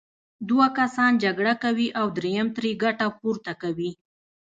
دوه کسان جګړه کوي او دریم ترې ګټه پورته کوي.